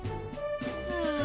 うん。